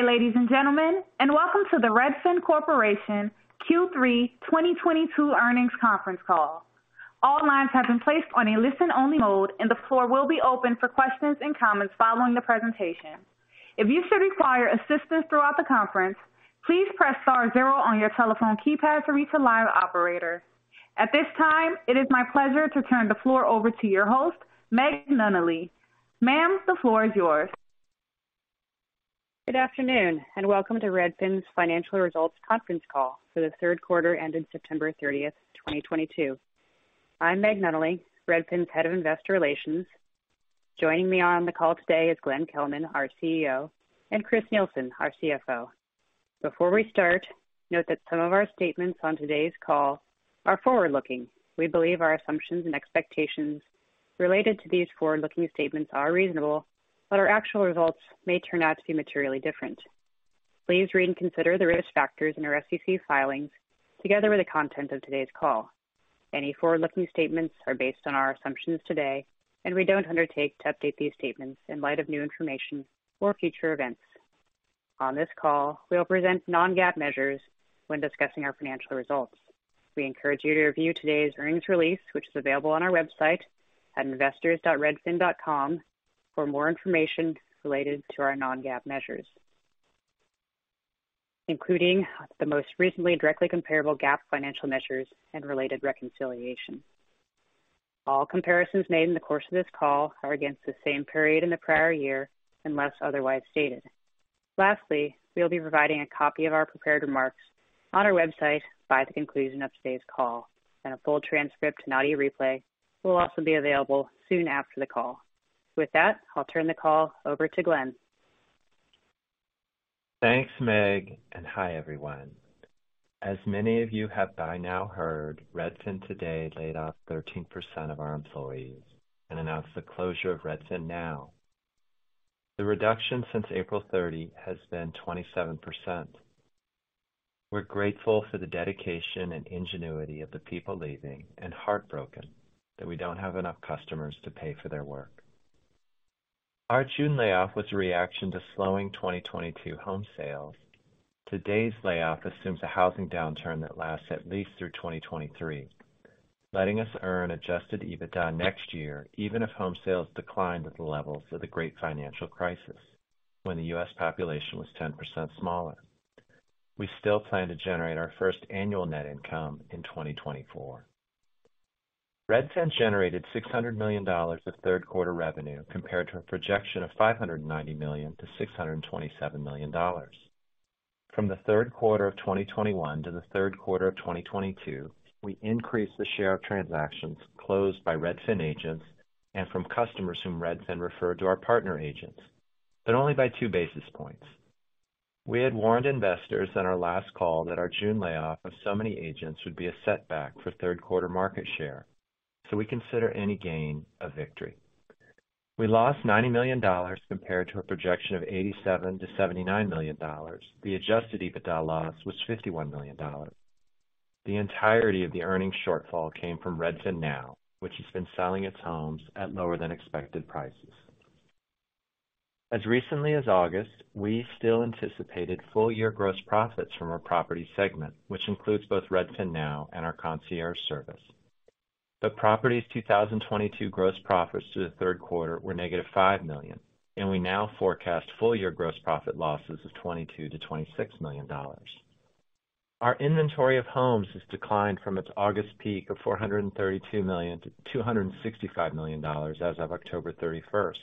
Good day, ladies and gentlemen, and welcome to the Redfin Corporation Q3 2022 earnings conference call. All lines have been placed on a listen-only mode, and the floor will be open for questions and comments following the presentation. If you should require assistance throughout the conference, please press star zero on your telephone keypad to reach a live operator. At this time, it is my pleasure to turn the floor over to your host, Meg Nunnally. Ma'am, the floor is yours. Good afternoon and welcome to Redfin's Financial Results conference call for the third quarter ending September 30th, 2022. I'm Meg Nunnally, Redfin's Head of Investor Relations. Joining me on the call today is Glenn Kelman, our CEO, and Chris Nielsen, our CFO. Before we start, note that some of our statements on today's call are forward-looking. We believe our assumptions and expectations related to these forward-looking statements are reasonable, but our actual results may turn out to be materially different. Please read and consider the risk factors in our SEC filings together with the content of today's call. Any forward-looking statements are based on our assumptions today, and we don't undertake to update these statements in light of new information or future events. On this call, we'll present non-GAAP measures when discussing our financial results. We encourage you to review today's earnings release, which is available on our website at investors.redfin.com for more information related to our non-GAAP measures, including the most recently directly comparable GAAP financial measures and related reconciliation. All comparisons made in the course of this call are against the same period in the prior year, unless otherwise stated. Lastly, we'll be providing a copy of our prepared remarks on our website by the conclusion of today's call, and a full transcript and audio replay will also be available soon after the call. With that, I'll turn the call over to Glenn. Thanks, Meg, and hi, everyone. As many of you have by now heard, Redfin today laid off 13% of our employees and announced the closure of RedfinNow. The reduction since April 30 has been 27%. We're grateful for the dedication and ingenuity of the people leaving, and heartbroken that we don't have enough customers to pay for their work. Our June layoff was a reaction to slowing 2022 home sales. Today's layoff assumes a housing downturn that lasts at least through 2023, letting us earn Adjusted EBITDA next year, even if home sales decline to the levels of the great financial crisis when the U.S. population was 10% smaller. We still plan to generate our first annual net income in 2024. Redfin generated $600 million of third quarter revenue compared to a projection of $590 million-$627 million. From the third quarter of 2021 to the third quarter of 2022, we increased the share of transactions closed by Redfin agents and from customers whom Redfin referred to our partner agents, but only by two basis points. We had warned investors on our last call that our June layoff of so many agents would be a setback for third quarter market share, so we consider any gain a victory. We lost $90 million compared to a projection of $87 million-$79 million. The Adjusted EBITDA loss was $51 million. The entirety of the earnings shortfall came from RedfinNow, which has been selling its homes at lower than expected prices. As recently as August, we still anticipated full-year gross profits from our property segment, which includes both RedfinNow and our concierge service. Property's 2022 gross profits through the third quarter were -$5 million, and we now forecast full-year gross profit losses of $22 million-$26 million. Our inventory of homes has declined from its August peak of $432 million-$265 million as of October 31st,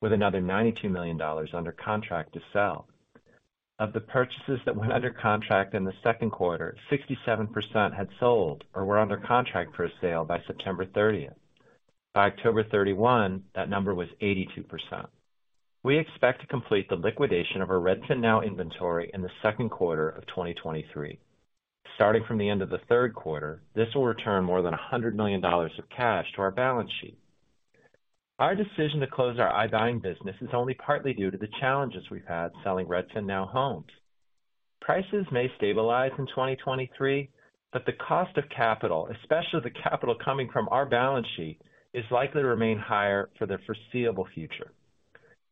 with another $92 million under contract to sell. Of the purchases that went under contract in the second quarter, 67% had sold or were under contract for a sale by September 30th. By October 31st, that number was 82%. We expect to complete the liquidation of our RedfinNow inventory in the second quarter of 2023. Starting from the end of the third quarter, this will return more than $100 million of cash to our balance sheet. Our decision to close our iBuying business is only partly due to the challenges we've had selling RedfinNow homes. Prices may stabilize in 2023, but the cost of capital, especially the capital coming from our balance sheet, is likely to remain higher for the foreseeable future.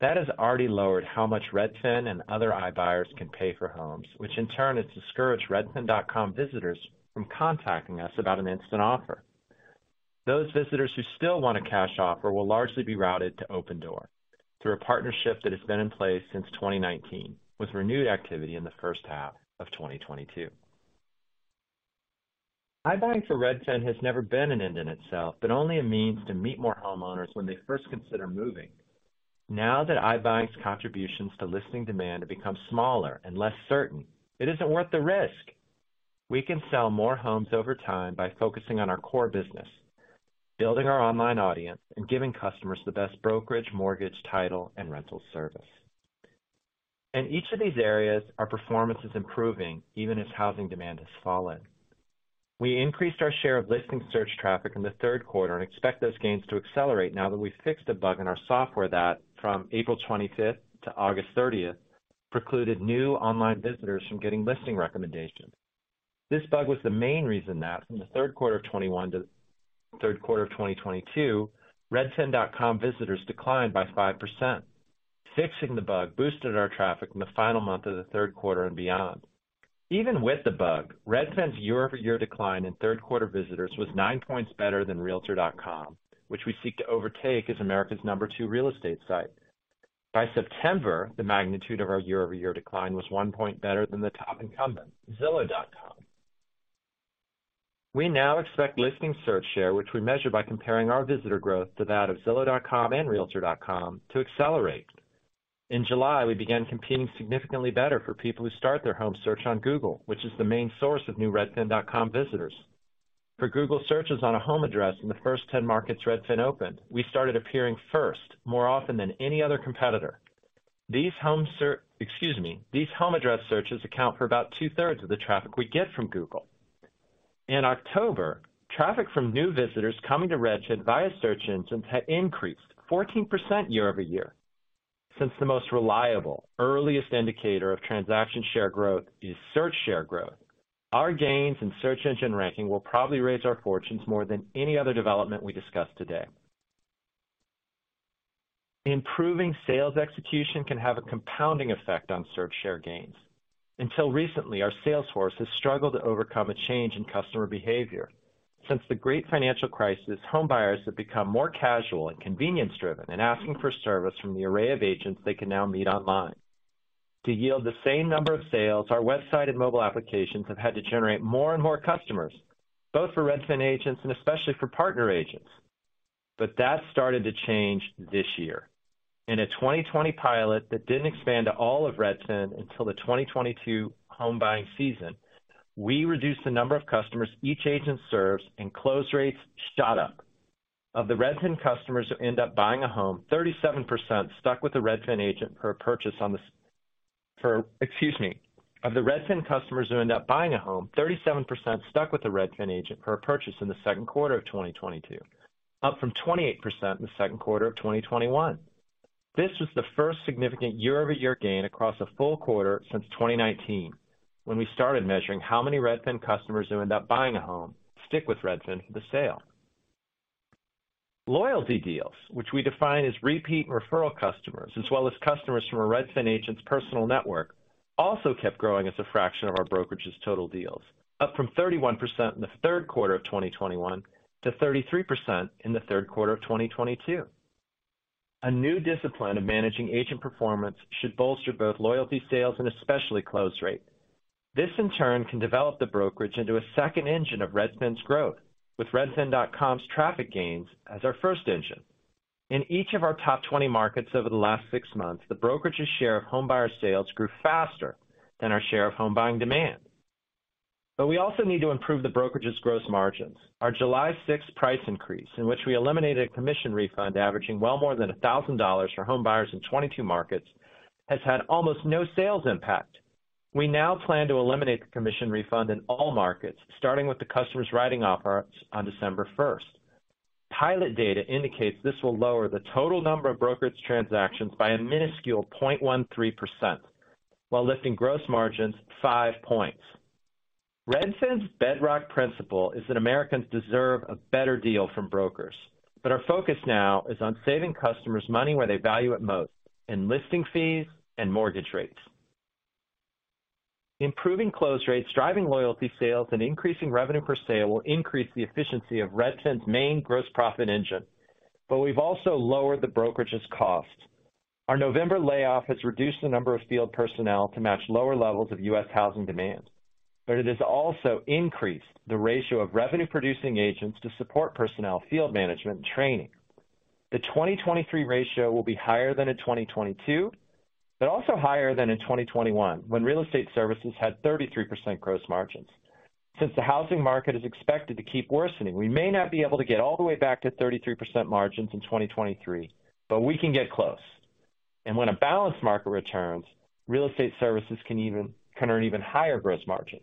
That has already lowered how much Redfin and other iBuyers can pay for homes, which in turn has discouraged Redfin.com visitors from contacting us about an instant offer. Those visitors who still want a cash offer will largely be routed to Opendoor through a partnership that has been in place since 2019, with renewed activity in the first half of 2022. iBuying for Redfin has never been an end in itself, but only a means to meet more homeowners when they first consider moving. Now that iBuying's contributions to listing demand have become smaller and less certain, it isn't worth the risk. We can sell more homes over time by focusing on our core business, building our online audience, and giving customers the best brokerage, mortgage, title, and rental service. In each of these areas, our performance is improving, even as housing demand has fallen. We increased our share of listing search traffic in the third quarter and expect those gains to accelerate now that we've fixed a bug in our software that from April 25th to August 30th precluded new online visitors from getting listing recommendations. This bug was the main reason that from the third quarter of 2021 to the third quarter of 2022, Redfin.com visitors declined by 5%. Fixing the bug boosted our traffic in the final month of the third quarter and beyond. Even with the bug, Redfin's year-over-year decline in third quarter visitors was 9 points better than Realtor.com, which we seek to overtake as America's number two real estate site. By September, the magnitude of our year-over-year decline was 1 point better than the top incumbent, Zillow.com. We now expect listing search share, which we measure by comparing our visitor growth to that of Zillow.com and Realtor.com, to accelerate. In July, we began competing significantly better for people who start their home search on Google, which is the main source of new Redfin.com visitors. For Google searches on a home address in the first 10 markets Redfin opened, we started appearing first more often than any other competitor. These home address searches account for about two-thirds of the traffic we get from Google. In October, traffic from new visitors coming to Redfin via search engines had increased 14% year-over-year. Since the most reliable, earliest indicator of transaction share growth is search share growth, our gains in search engine ranking will probably raise our fortunes more than any other development we discuss today. Improving sales execution can have a compounding effect on search share gains. Until recently, our sales force has struggled to overcome a change in customer behavior. Since the great financial crisis, home buyers have become more casual and convenience-driven in asking for service from the array of agents they can now meet online. To yield the same number of sales, our website and mobile applications have had to generate more and more customers, both for Redfin agents and especially for partner agents. That started to change this year. In a 2020 pilot that didn't expand to all of Redfin until the 2022 home buying season, we reduced the number of customers each agent serves, and close rates shot up. Of the Redfin customers who end up buying a home, 37% stuck with a Redfin agent per purchase. Excuse me. Of the Redfin customers who end up buying a home, 37% stuck with a Redfin agent per purchase in the second quarter of 2022, up from 28% in the second quarter of 2021. This was the first significant year-over-year gain across a full quarter since 2019, when we started measuring how many Redfin customers who end up buying a home stick with Redfin for the sale. Loyalty deals, which we define as repeat and referral customers, as well as customers from a Redfin agent's personal network, also kept growing as a fraction of our brokerage's total deals, up from 31% in the third quarter of 2021 to 33% in the third quarter of 2022. A new discipline of managing agent performance should bolster both loyalty sales and especially close rate. This, in turn, can develop the Brokerage into a second engine of Redfin's growth, with Redfin.com's traffic gains as our first engine. In each of our top 20 markets over the last six months, the Brokerage's share of home buyer sales grew faster than our share of home buying demand. We also need to improve the Brokerage's gross margins. Our July 6th price increase, in which we eliminated a commission refund averaging well more than $1,000 for home buyers in 22 markets, has had almost no sales impact. We now plan to eliminate the commission refund in all markets, starting with the customers writing offers on December 1st. Pilot data indicates this will lower the total number of Brokerage transactions by a minuscule 0.13% while lifting gross margins 5 points. Redfin's bedrock principle is that Americans deserve a better deal from brokers, but our focus now is on saving customers money where they value it most, in listing fees and mortgage rates. Improving close rates, driving loyalty sales, and increasing revenue per sale will increase the efficiency of Redfin's main gross profit engine, but we've also lowered the brokerage's cost. Our November layoff has reduced the number of field personnel to match lower levels of U.S. housing demand, but it has also increased the ratio of revenue-producing agents to support personnel field management and training. The 2023 ratio will be higher than in 2022, but also higher than in 2021, when real estate services had 33% gross margins. Since the housing market is expected to keep worsening, we may not be able to get all the way back to 33% margins in 2023, but we can get close. When a balanced market returns, real estate services can earn even higher gross margins.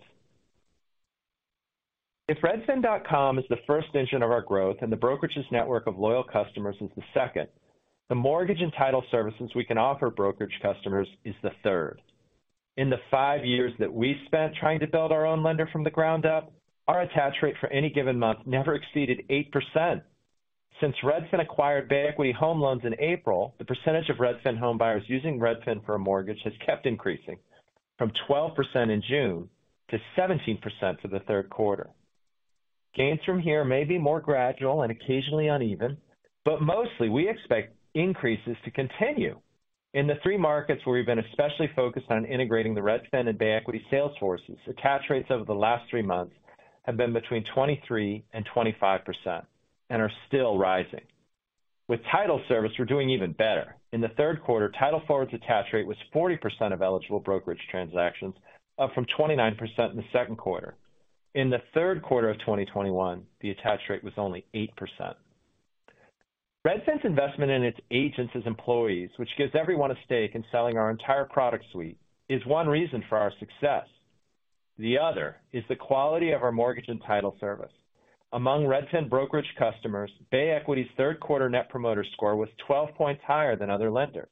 If Redfin.com is the first engine of our growth and the brokerage's network of loyal customers is the second, the Mortgage and Title services we can offer brokerage customers is the third. In the five years that we spent trying to build our own lender from the ground up, our attach rate for any given month never exceeded 8%. Since Redfin acquired Bay Equity Home Loans in April, the percentage of Redfin home buyers using Redfin for a mortgage has kept increasing from 12% in June to 17% for the third quarter. Gains from here may be more gradual and occasionally uneven, but mostly we expect increases to continue. In the three markets where we've been especially focused on integrating the Redfin and Bay Equity Home Loans sales forces, attach rates over the last three months have been between 23% and 25% and are still rising. With title service, we're doing even better. In the third quarter, Title Forward's attach rate was 40% of eligible brokerage transactions, up from 29% in the second quarter. In the third quarter of 2021, the attach rate was only 8%. Redfin's investment in its agents as employees, which gives everyone a stake in selling our entire product suite, is one reason for our success. The other is the quality of our Mortgage and Title service. Among Redfin brokerage customers, Bay Equity Home Loans' third quarter Net Promoter Score was 12 points higher than other lenders.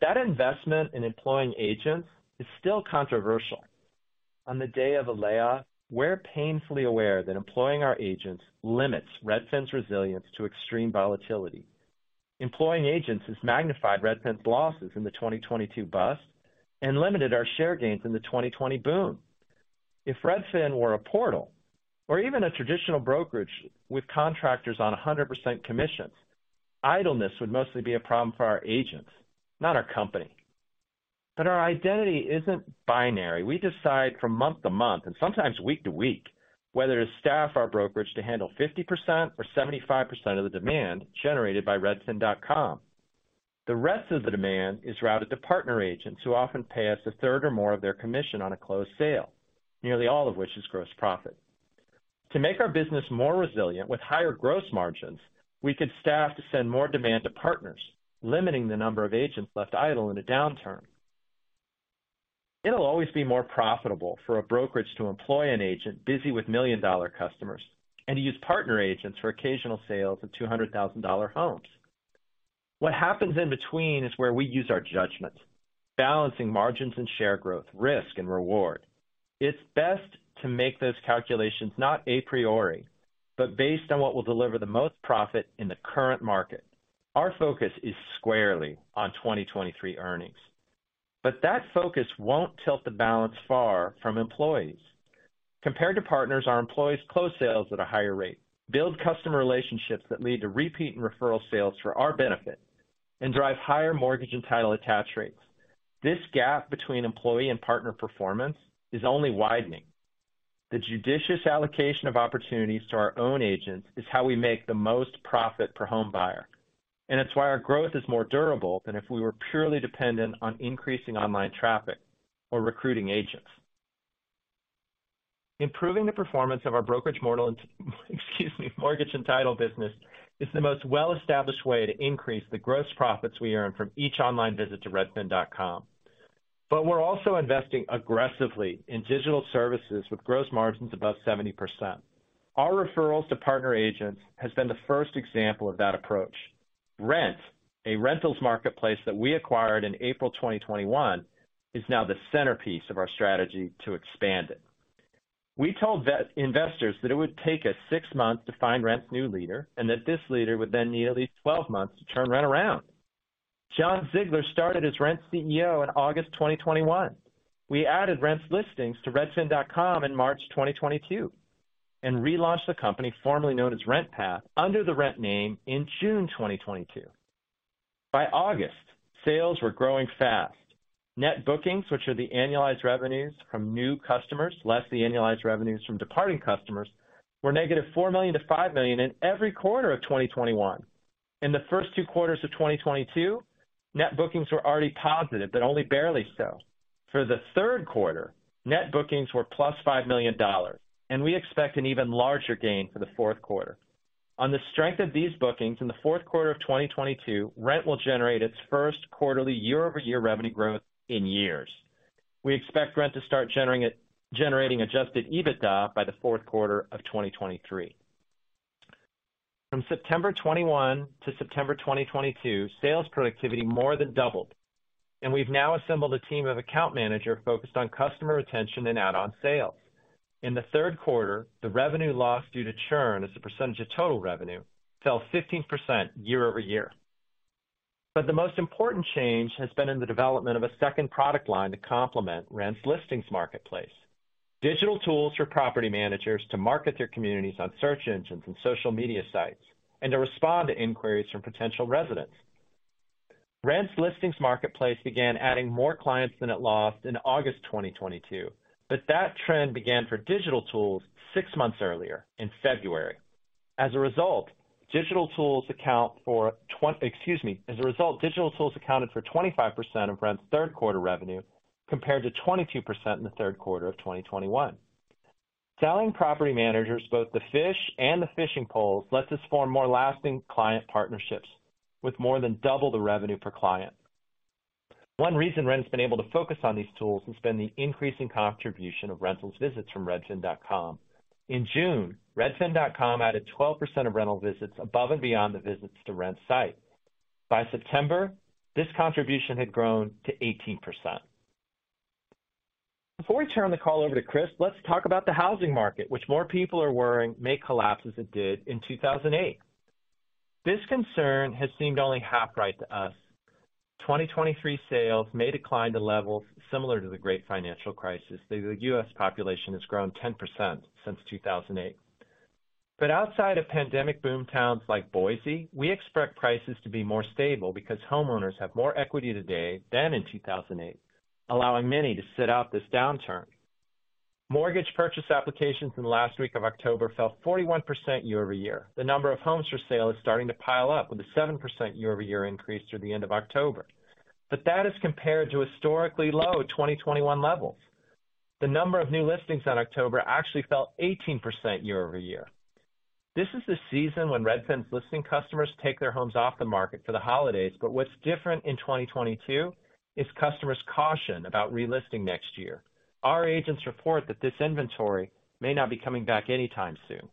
That investment in employing agents is still controversial. On the day of a layoff, we're painfully aware that employing our agents limits Redfin's resilience to extreme volatility. Employing agents has magnified Redfin's losses in the 2022 bust and limited our share gains in the 2020 boom. If Redfin were a portal or even a traditional brokerage with contractors on 100% commissions, idleness would mostly be a problem for our agents, not our company. Our identity isn't binary. We decide from month to month, and sometimes week to week, whether to staff our brokerage to handle 50% or 75% of the demand generated by Redfin.com. The rest of the demand is routed to partner agents who often pay us a third or more of their commission on a closed sale, nearly all of which is gross profit. To make our business more resilient with higher gross margins, we could staff to send more demand to partners, limiting the number of agents left idle in a downturn. It'll always be more profitable for a brokerage to employ an agent busy with million-dollar customers and to use partner agents for occasional sales of $200,000 homes. What happens in between is where we use our judgment, balancing margins and share growth, risk and reward. It's best to make those calculations not a priori, but based on what will deliver the most profit in the current market. Our focus is squarely on 2023 earnings. That focus won't tilt the balance far from employees. Compared to partners, our employees close sales at a higher rate, build customer relationships that lead to repeat and referral sales for our benefit, and drive higher Mortgage and Title attach rates. This gap between employee and partner performance is only widening. The judicious allocation of opportunities to our own agents is how we make the most profit per home buyer, and it's why our growth is more durable than if we were purely dependent on increasing online traffic or recruiting agents. Improving the performance of our Brokerage, Mortgage and Title business is the most well-established way to increase the gross profits we earn from each online visit to Redfin.com. We're also investing aggressively in digital services with gross margins above 70%. Our referrals to partner agents has been the first example of that approach. Rent., a rentals marketplace that we acquired in April 2021, is now the centerpiece of our strategy to expand it. We told our investors that it would take us six months to find Rent.'s new leader, and that this leader would then need at least 12 months to turn Rent. around. Jon Ziglar started as Rent. CEO in August 2021. We added Rent.'s listings to Redfin.com in March 2022, and relaunched the company formerly known as RentPath under the Rent. name in June 2022. By August, sales were growing fast. Net bookings, which are the annualized revenues from new customers less the annualized revenues from departing customers, were -$4 million to -$5 million in every quarter of 2021. In the first two quarters of 2022, net bookings were already positive, but only barely so. For the third quarter, net bookings were +$5 million, and we expect an even larger gain for the fourth quarter. On the strength of these bookings in the fourth quarter of 2022, Rent. will generate its first quarterly year-over-year revenue growth in years. We expect Rent. to start generating Adjusted EBITDA by the fourth quarter of 2023. From September 2021 to September 2022, sales productivity more than doubled, and we've now assembled a team of account manager focused on customer retention and add-on sales. In the third quarter, the revenue loss due to churn as a percentage of total revenue fell 15% year-over-year. The most important change has been in the development of a second product line to complement Rent's listings marketplace. Digital tools for property managers to market their communities on search engines and social media sites, and to respond to inquiries from potential residents. Rent.'s listings marketplace began adding more clients than it lost in August 2022, but that trend began for digital tools six months earlier in February. As a result, digital tools accounted for 25% of Rent.'s third quarter revenue, compared to 22% in the third quarter of 2021. Selling property managers, both the fish and the fishing poles, lets us form more lasting client partnerships with more than double the revenue per client. One reason Rent.'s been able to focus on these tools has been the increasing contribution of rentals visits from Redfin.com. In June, Redfin.com added 12% of rental visits above and beyond the visits to Rent.'s site. By September, this contribution had grown to 18%. Before we turn the call over to Chris, let's talk about the housing market, which more people are worrying may collapse as it did in 2008. This concern has seemed only half right to us. 2023 sales may decline to levels similar to the great financial crisis, though the U.S. population has grown 10% since 2008. Outside of pandemic boom towns like Boise, we expect prices to be more stable because homeowners have more equity today than in 2008, allowing many to sit out this downturn. Mortgage purchase applications in the last week of October fell 41% year-over-year. The number of homes for sale is starting to pile up with a 7% year-over-year increase through the end of October. That is compared to historically low 2021 levels. The number of new listings in October actually fell 18% year-over-year. This is the season when Redfin's listing customers take their homes off the market for the holidays, but what's different in 2022 is customers' caution about relisting next year. Our agents report that this inventory may not be coming back anytime soon.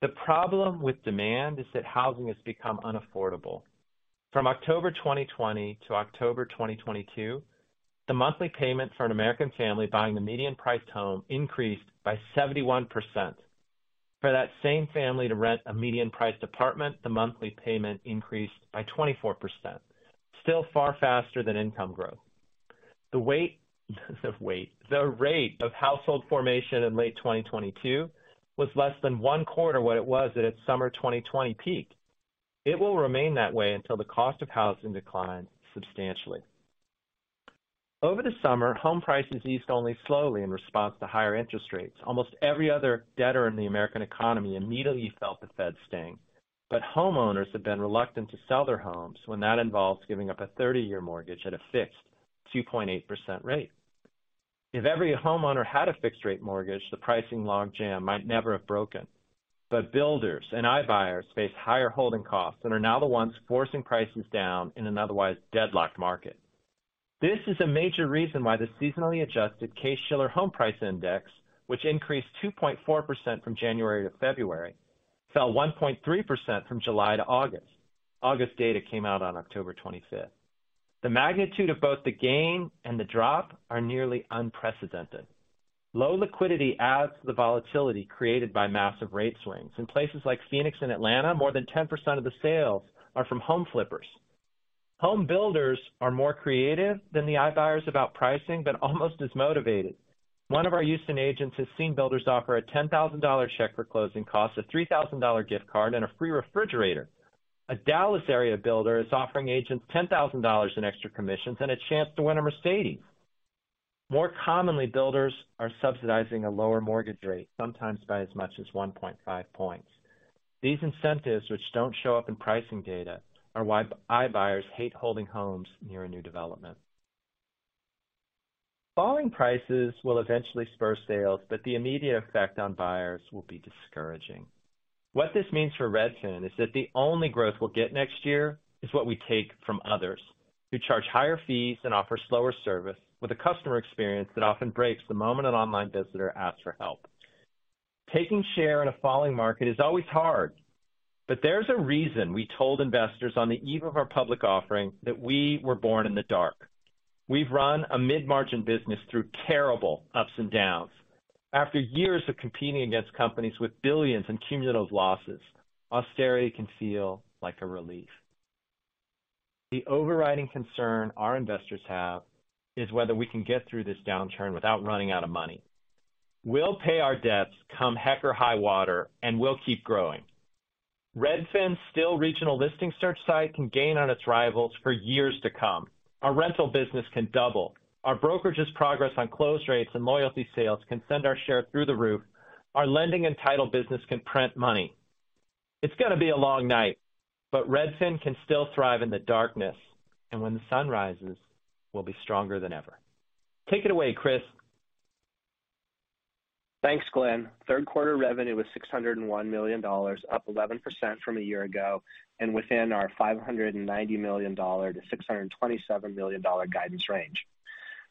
The problem with demand is that housing has become unaffordable. From October 2020 to October 2022, the monthly payment for an American family buying the median-priced home increased by 71%. For that same family to rent a median-priced apartment, the monthly payment increased by 24%, still far faster than income growth. The rate of household formation in late 2022 was less than one quarter what it was at its summer 2020 peak. It will remain that way until the cost of housing declines substantially. Over the summer, home prices eased only slowly in response to higher interest rates. Almost every other debtor in the American economy immediately felt the Fed's sting. Homeowners have been reluctant to sell their homes when that involves giving up a 30-year mortgage at a fixed 2.8% rate. If every homeowner had a fixed rate mortgage, the pricing logjam might never have broken. Builders and iBuyers face higher holding costs and are now the ones forcing prices down in an otherwise deadlocked market. This is a major reason why the seasonally adjusted Case-Shiller home price index, which increased 2.4% from January to February, fell 1.3% from July to August. August data came out on October 25th. The magnitude of both the gain and the drop are nearly unprecedented. Low liquidity adds to the volatility created by massive rate swings. In places like Phoenix and Atlanta, more than 10% of the sales are from home flippers. Home builders are more creative than the iBuyers about pricing, but almost as motivated. One of our Houston agents has seen builders offer a $10,000 check for closing costs, a $3,000 gift card, and a free refrigerator. A Dallas area builder is offering agents $10,000 in extra commissions and a chance to win a Mercedes. More commonly, builders are subsidizing a lower mortgage rate, sometimes by as much as 1.5 points. These incentives, which don't show up in pricing data, are why iBuyers hate holding homes near a new development. Falling prices will eventually spur sales, but the immediate effect on buyers will be discouraging. What this means for Redfin is that the only growth we'll get next year is what we take from others who charge higher fees and offer slower service with a customer experience that often breaks the moment an online visitor asks for help. Taking share in a falling market is always hard, but there's a reason we told investors on the eve of our public offering that we were born in the dark. We've run a mid-margin business through terrible ups and downs. After years of competing against companies with billions in cumulative losses, austerity can feel like a relief. The overriding concern our investors have is whether we can get through this downturn without running out of money. We'll pay our debts come heck or high water, and we'll keep growing. Redfin's still regional listing search site can gain on its rivals for years to come. Our rental business can double. Our Brokerage's progress on close rates and loyalty sales can send our share through the roof. Our lending and title business can print money. It's gonna be a long night, but Redfin can still thrive in the darkness, and when the sun rises, we'll be stronger than ever. Take it away, Chris. Thanks, Glenn. Third quarter revenue was $601 million, up 11% from a year ago, and within our $590 million-$627 million guidance range.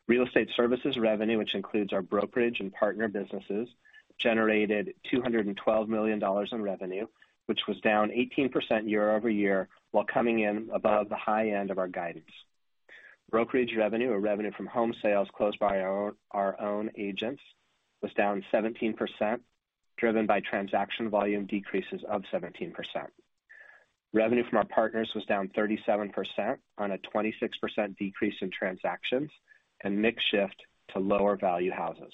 Real Estate Services revenue, which includes our Brokerage and Partner businesses, generated $212 million in revenue, which was down 18% year-over-year, while coming in above the high end of our guidance. Brokerage revenue, or revenue from home sales closed by our own agents, was down 17%, driven by transaction volume decreases of 17%. Revenue from our partners was down 37% on a 26% decrease in transactions and mix shift to lower value houses.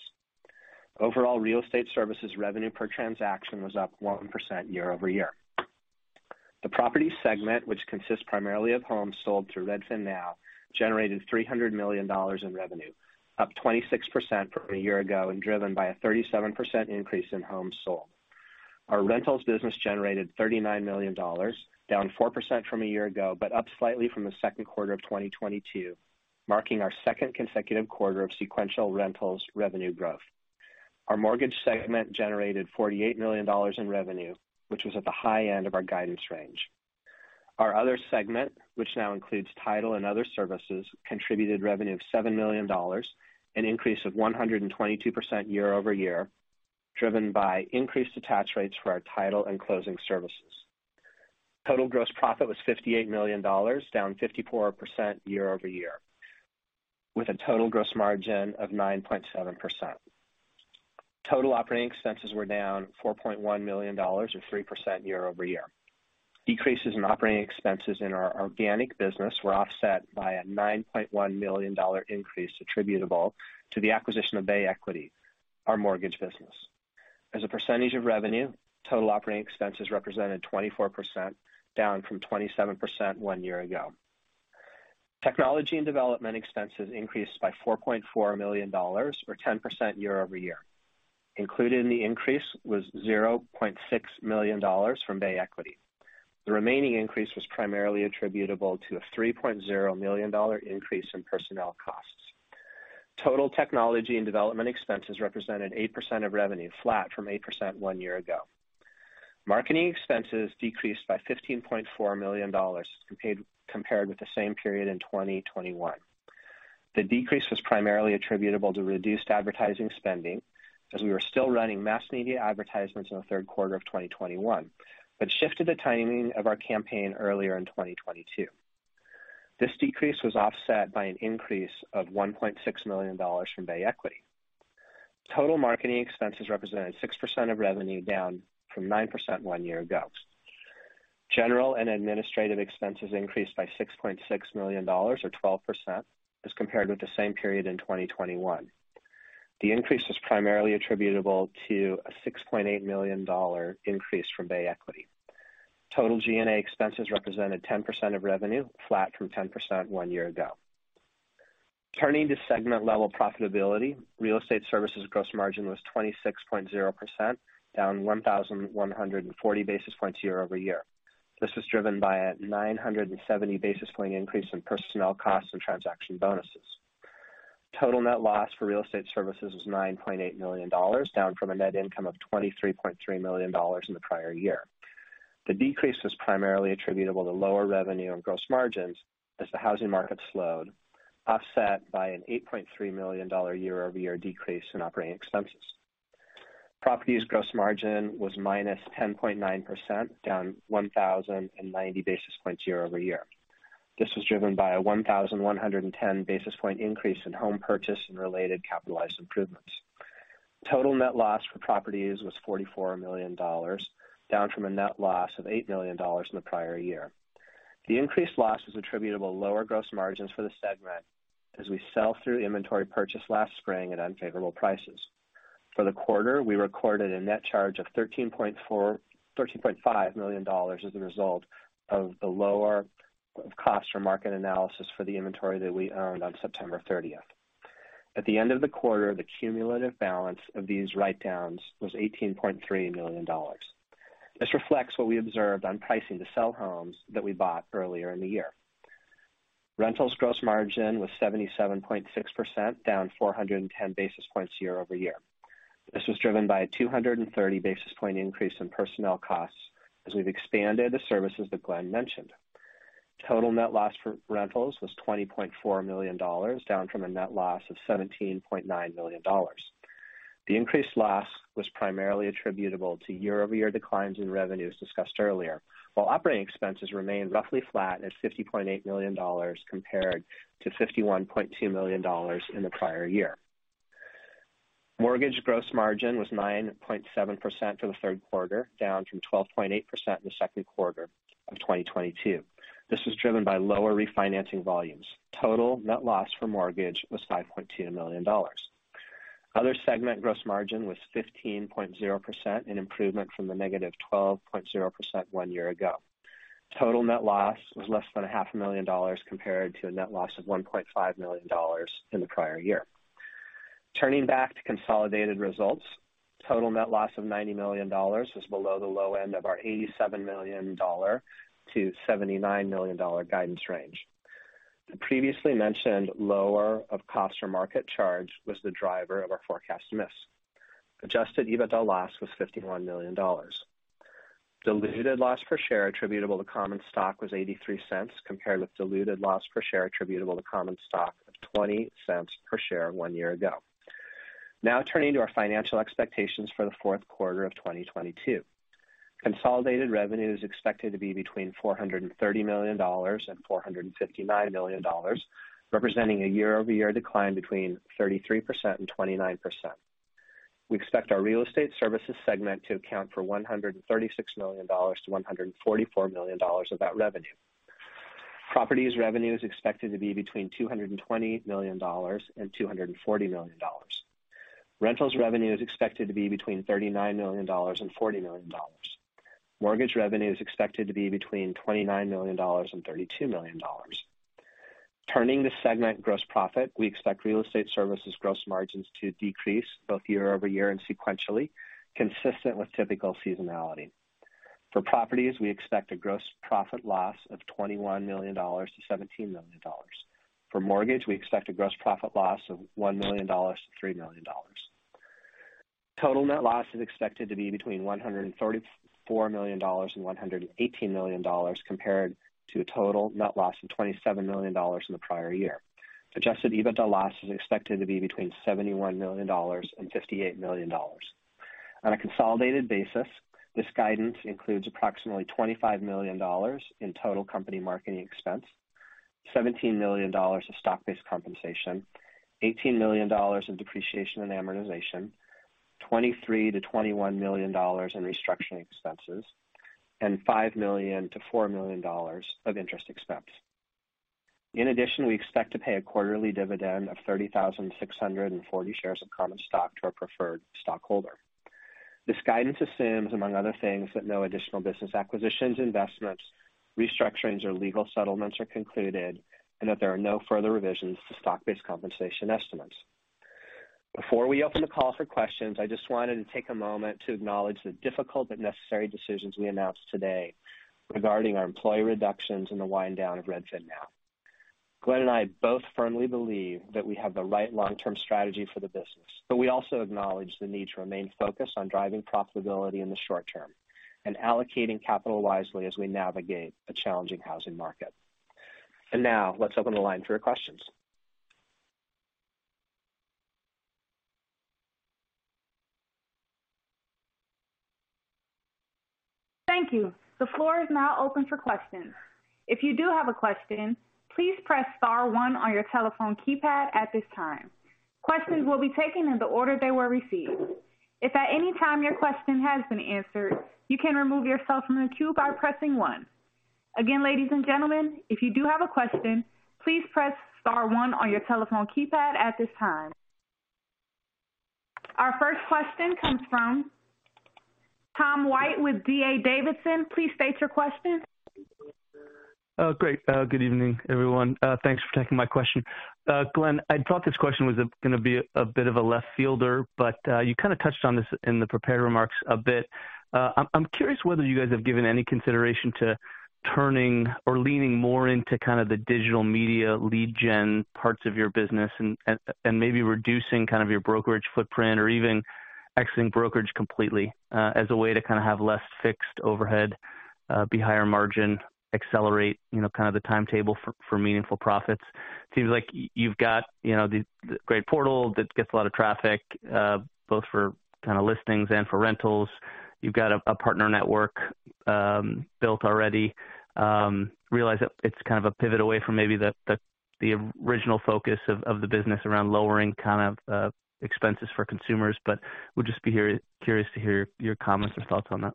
Overall Real Estate Services revenue per transaction was up 1% year-over-year. The property segment, which consists primarily of homes sold through RedfinNow, generated $300 million in revenue, up 26% from a year ago and driven by a 37% increase in homes sold. Our rentals business generated $39 million, down 4% from a year ago, but up slightly from the second quarter of 2022, marking our second consecutive quarter of sequential rentals revenue growth. Our mortgage segment generated $48 million in revenue, which was at the high end of our guidance range. Our other segment, which now includes title and other services, contributed revenue of $7 million, an increase of 122% year-over-year, driven by increased attach rates for our title and closing services. Total gross profit was $58 million, down 54% year-over-year, with a total gross margin of 9.7%. Total operating expenses were down $4.1 million or 3% year-over-year. Decreases in operating expenses in our organic business were offset by a $9.1 million increase attributable to the acquisition of Bay Equity Home Loans, our mortgage business. As a percentage of revenue, total operating expenses represented 24%, down from 27% one year ago. Technology and development expenses increased by $4.4 million or 10% year-over-year. Included in the increase was $0.6 million from Bay Equity Home Loans. The remaining increase was primarily attributable to a $3.0 million increase in personnel costs. Total technology and development expenses represented 8% of revenue, flat from 8% one year ago. Marketing expenses decreased by $15.4 million compared with the same period in 2021. The decrease was primarily attributable to reduced advertising spending as we were still running mass media advertisements in the third quarter of 2021, but shifted the timing of our campaign earlier in 2022. This decrease was offset by an increase of $1.6 million from Bay Equity Home Loans. Total marketing expenses represented 6% of revenue, down from 9% one year ago. General and administrative expenses increased by $6.6 million, or 12% as compared with the same period in 2021. The increase was primarily attributable to a $6.8 million dollar increase from Bay Equity Home Loans. Total G&A expenses represented 10% of revenue, flat from 10% one year ago. Turning to segment level profitability. Real Estate Services gross margin was 26.0%, down 1,140 basis points year-over-year. This was driven by a 970 basis point increase in personnel costs and transaction bonuses. Total net loss for Real Estate Services was $9.8 million, down from a net income of $23.3 million in the prior year. The decrease was primarily attributable to lower revenue and gross margins as the housing market slowed, offset by an $8.3 million year-over-year decrease in operating expenses. Properties gross margin was -10.9%, down 1,090 basis points year-over-year. This was driven by a 1,110 basis point increase in home purchase and related capitalized improvements. Total net loss for Properties was $44 million, down from a net loss of $8 million in the prior year. The increased loss was attributable to lower gross margins for the segment as we sell through inventory purchased last spring at unfavorable prices. For the quarter, we recorded a net charge of $13.5 million as a result of the lower of cost or market analysis for the inventory that we owned on September 30th. At the end of the quarter, the cumulative balance of these write-downs was $18.3 million. This reflects what we observed on pricing the sold homes that we bought earlier in the year. Rentals gross margin was 77.6%, down 410 basis points year-over-year. This was driven by a 230 basis point increase in personnel costs as we've expanded the services that Glenn mentioned. Total net loss for rentals was $20.4 million, down from a net loss of $17.9 million. The increased loss was primarily attributable to year-over-year declines in revenues discussed earlier, while operating expenses remained roughly flat at $50.8 million compared to $51.2 million in the prior year. Mortgage gross margin was 9.7% for the third quarter, down from 12.8% in the second quarter of 2022. This was driven by lower refinancing volumes. Total net loss for mortgage was $5.2 million. Other segment gross margin was 15.0%, an improvement from the negative 12.0% one year ago. Total net loss was less than $500,000 compared to a net loss of $1.5 million in the prior year. Turning back to consolidated results, total net loss of $90 million is below the low end of our $87 million-$79 million guidance range. The previously mentioned lower of cost or market charge was the driver of our forecast miss. Adjusted EBITDA loss was $51 million. Diluted loss per share attributable to common stock was $0.83, compared with diluted loss per share attributable to common stock of $0.20 per share one year ago. Now turning to our financial expectations for the fourth quarter of 2022. Consolidated revenue is expected to be between $430 million and $459 million, representing a year-over-year decline between 33% and 29%. We expect our Real Estate Services segment to account for $136 million-$144 million of that revenue. Properties revenue is expected to be between $220 million and $240 million. Rentals revenue is expected to be between $39 million and $40 million. Mortgage revenue is expected to be between $29 million and $32 million. Turning to segment gross profit, we expect Real Estate Services gross margins to decrease both year-over-year and sequentially, consistent with typical seasonality. For Properties, we expect a gross profit loss of $21 million-$17 million. For mortgage, we expect a gross profit loss of $1 million-$3 million. Total net loss is expected to be between $134 million and $118 million compared to a total net loss of $27 million in the prior year. Adjusted EBITDA loss is expected to be between $71 million and $58 million. On a consolidated basis, this guidance includes approximately $25 million in total company marketing expense, $17 million of stock-based compensation, $18 million in depreciation and amortization, $23 million-$21 million in restructuring expenses, and $5 million-$4 million of interest expense. In addition, we expect to pay a quarterly dividend of 30,640 shares of common stock to our preferred stockholder. This guidance assumes, among other things, that no additional business acquisitions, investments, restructurings, or legal settlements are concluded, and that there are no further revisions to stock-based compensation estimates. Before we open the call for questions, I just wanted to take a moment to acknowledge the difficult but necessary decisions we announced today regarding our employee reductions and the wind down of RedfinNow. Glenn and I both firmly believe that we have the right long-term strategy for the business, but we also acknowledge the need to remain focused on driving profitability in the short term and allocating capital wisely as we navigate a challenging housing market. Now let's open the line for your questions. Thank you. The floor is now open for questions. If you do have a question, please press star one on your telephone keypad at this time. Questions will be taken in the order they were received. If at any time your question has been answered, you can remove yourself from the queue by pressing one. Again, ladies and gentlemen, if you do have a question, please press star one on your telephone keypad at this time. Our first question comes from Tom White with D.A. Davidson. Please state your question. Great. Good evening, everyone. Thanks for taking my question. Glenn, I thought this question was gonna be a bit of a left-fielder, but you kinda touched on this in the prepared remarks a bit. I'm curious whether you guys have given any consideration to turning or leaning more into kind of the digital media lead gen parts of your business and maybe reducing kind of your brokerage footprint or even exiting brokerage completely, as a way to kinda have less fixed overhead, be higher margin, accelerate, you know, kind of the timetable for meaningful profits. Seems like you've got, you know, the great portal that gets a lot of traffic, both for kinda listings and for rentals. You've got a partner network built already. Realize that it's kind of a pivot away from maybe the original focus of the business around lowering kind of expenses for consumers but would just be curious to hear your comments or thoughts on that.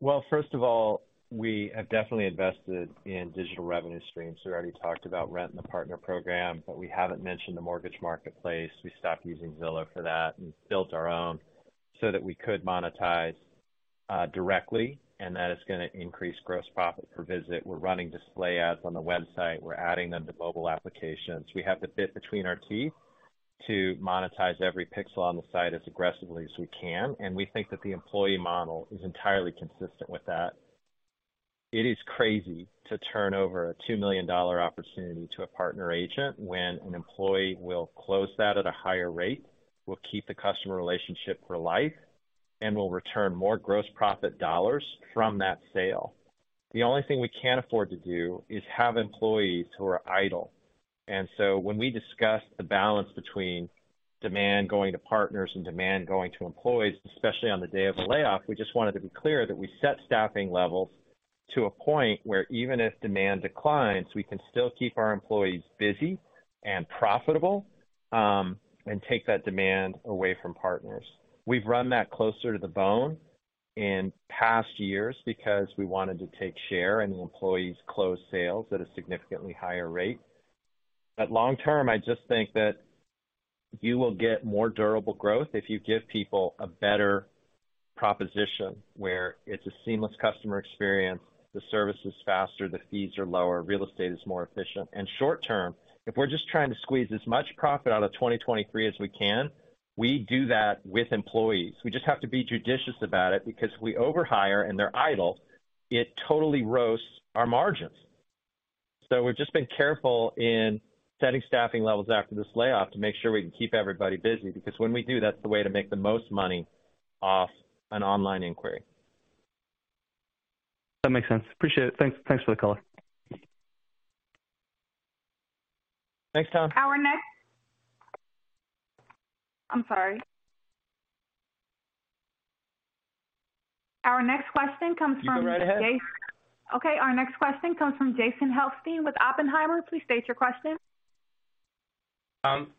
Well, first of all, we have definitely invested in digital revenue streams. We already talked about Rent. and the partner program, but we haven't mentioned the mortgage marketplace. We stopped using Zillow for that and built our own so that we could monetize directly, and that is gonna increase gross profit per visit. We're running display ads on the website. We're adding them to mobile applications. We have to fit between our teeth to monetize every pixel on the site as aggressively as we can, and we think that the employee model is entirely consistent with that. It is crazy to turn over a $2 million opportunity to a partner agent when an employee will close that at a higher rate, will keep the customer relationship for life, and will return more gross profit dollars from that sale. The only thing we can't afford to do is have employees who are idle. When we discuss the balance between demand going to partners and demand going to employees, especially on the day of the layoff, we just wanted to be clear that we set staffing levels to a point where even if demand declines, we can still keep our employees busy and profitable, and take that demand away from partners. We've run that closer to the bone in past years because we wanted to take share, and the employees closed sales at a significantly higher rate. Long-term, I just think that you will get more durable growth if you give people a better proposition where it's a seamless customer experience, the service is faster, the fees are lower, real estate is more efficient. Short-term, if we're just trying to squeeze as much profit out of 2023 as we can, we do that with employees. We just have to be judicious about it because if we overhire and they're idle, it totally roasts our margins. We've just been careful in setting staffing levels after this layoff to make sure we can keep everybody busy, because when we do, that's the way to make the most money off an online inquiry. That makes sense. Appreciate it. Thanks, thanks for the call. Thanks, Tom. Our next question comes from- You go right ahead. Okay. Our next question comes from Jason Helfstein with Oppenheimer. Please state your question. Thanks.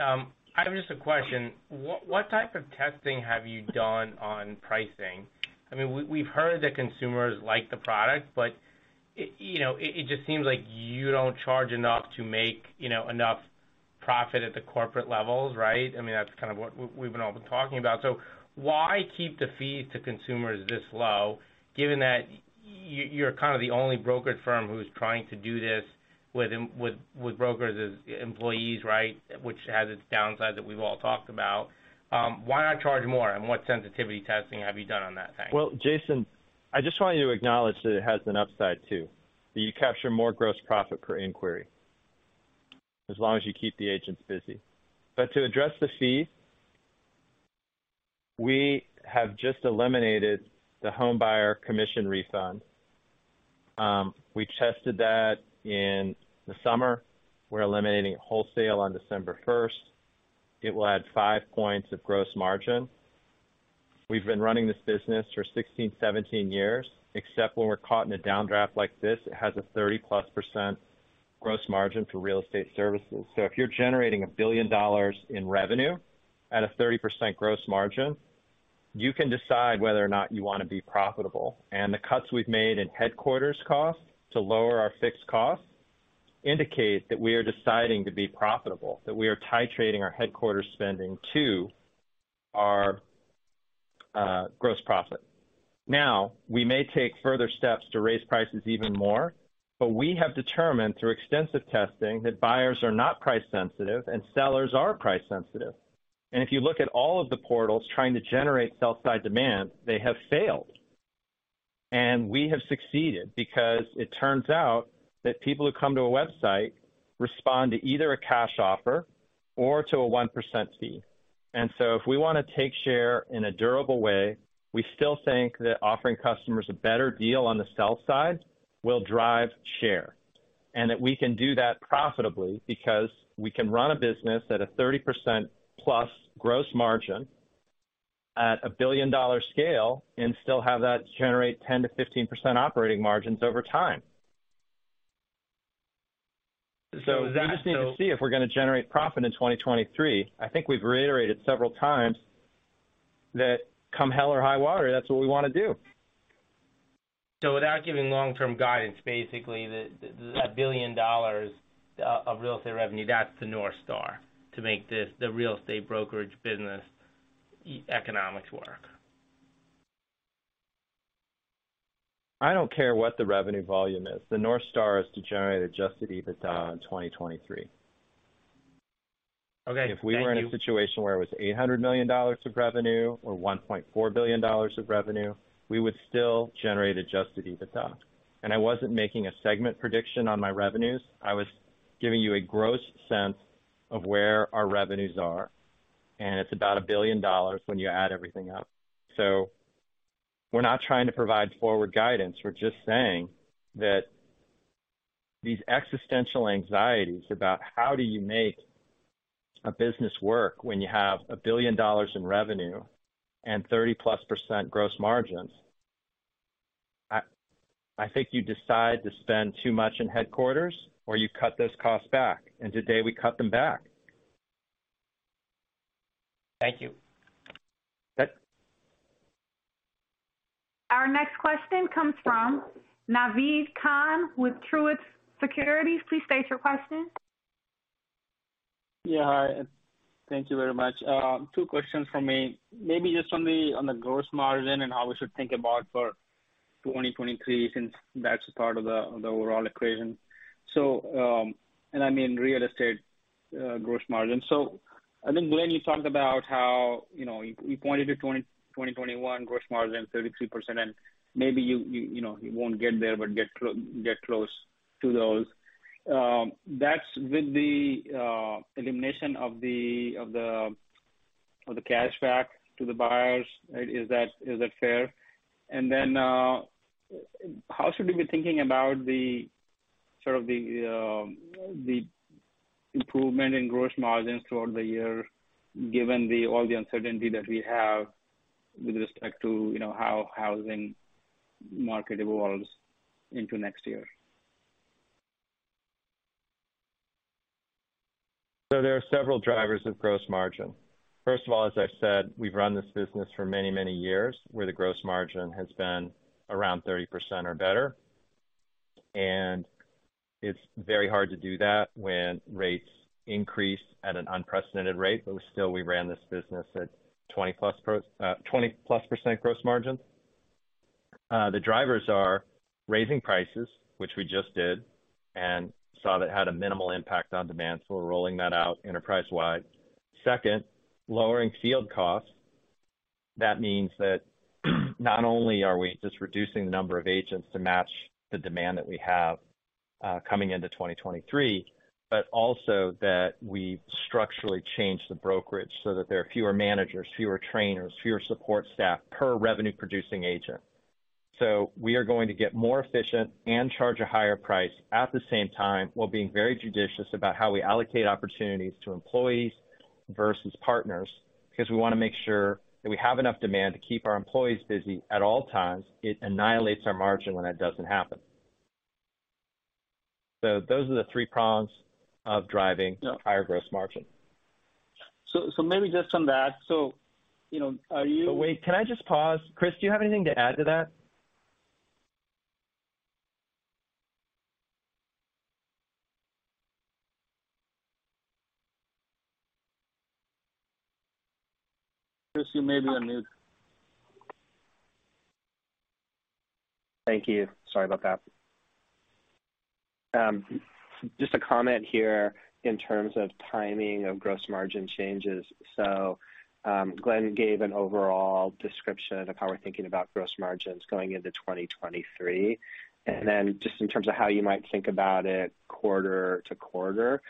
I have just a question. What type of testing have you done on pricing? I mean, we've heard that consumers like the product, but you know, it just seems like you don't charge enough to make you know, enough profit at the corporate levels, right? I mean, that's kind of what we've all been talking about. Why keep the fees to consumers this low given that you're kind of the only brokerage firm who's trying to do this with brokers as employees, right? Which has its downsides that we've all talked about. Why not charge more, and what sensitivity testing have you done on that thing? Well, Jason, I just want you to acknowledge that it has an upside too. That you capture more gross profit per inquiry as long as you keep the agents busy. To address the fees, we have just eliminated the home buyer commission refund. We tested that in the summer. We're eliminating it wholesale in December 1st. It will add 5 points of gross margin. We've been running this business for 16, 17 years, except when we're caught in a downdraft like this, it has a 30%+ gross margin for Real Estate Services. If you're generating $1 billion in revenue at a 30% gross margin, you can decide whether or not you want to be profitable. The cuts we've made in headquarters costs to lower our fixed costs indicate that we are deciding to be profitable, that we are titrating our headquarters spending to our, gross profit. Now, we may take further steps to raise prices even more, but we have determined through extensive testing that buyers are not price sensitive and sellers are price sensitive. If you look at all of the portals trying to generate sell side demand, they have failed. We have succeeded because it turns out that people who come to a website respond to either a cash offer or to a 1% fee. If we wanna take share in a durable way, we still think that offering customers a better deal on the sell side will drive share. That we can do that profitably because we can run a business at a 30%+ gross margin at a billion-dollar scale and still have that generate 10%-15% operating margins over time. So that- We just need to see if we're gonna generate profit in 2023. I think we've reiterated several times that come hell or high water, that's what we wanna do. Without giving long-term guidance, basically a $1 billion of real estate revenue, that's the North Star to make this, the Real Estate Brokerage business economics work. I don't care what the revenue volume is. The North Star is to generate Adjusted EBITDA in 2023. Okay. Thank you. If we were in a situation where it was $800 million of revenue or $1.4 billion of revenue, we would still generate Adjusted EBITDA. I wasn't making a segment prediction on my revenues, I was giving you a gross sense of where our revenues are, and it's about $1 billion when you add everything up. We're not trying to provide forward guidance. We're just saying that these existential anxieties about how do you make a business work when you have $1 billion in revenue and 30%+ gross margins? I think you decide to spend too much in headquarters or you cut those costs back, and today we cut them back. Thank you. Okay. Our next question comes from Naved Khan with Truist Securities. Please state your question. Yeah. Thank you very much. Two questions from me. Maybe just on the gross margin and how we should think about for 2023, since that's part of the overall equation. I mean real estate gross margin. I think, Glenn, you talked about how, you know, you pointed to 2021 gross margin, 33%, and maybe you know, you won't get there, but get close to those. That's with the elimination of the cashback to the buyers. Is that fair? How should we be thinking about the sort of the improvement in gross margins throughout the year, given all the uncertainty that we have with respect to, you know, how housing market evolves into next year? There are several drivers of gross margin. First of all, as I said, we've run this business for many, many years, where the gross margin has been around 30% or better. It's very hard to do that when rates increase at an unprecedented rate, but we still ran this business at 20%+ gross margin. The drivers are raising prices, which we just did, and saw that had a minimal impact on demand, so we're rolling that out enterprise-wide. Second, lowering field costs. That means that not only are we just reducing the number of agents to match the demand that we have, coming into 2023, but also that we structurally change the brokerage so that there are fewer managers, fewer trainers, fewer support staff per revenue-producing agent. We are going to get more efficient and charge a higher price at the same time, while being very judicious about how we allocate opportunities to employees versus partners, because we wanna make sure that we have enough demand to keep our employees busy at all times. It annihilates our margin when it doesn't happen. Those are the three prongs of driving higher gross margin. Maybe just on that. You know, are you- Wait, can I just pause? Chris, do you have anything to add to that? Chris, you may be on mute. Thank you. Sorry about that. Just a comment here in terms of timing of gross margin changes. Glenn gave an overall description of how we're thinking about gross margins going into 2023. Then just in terms of how you might think about it quarter to quarter,